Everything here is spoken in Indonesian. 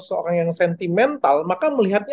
seorang yang sentimental maka melihatnya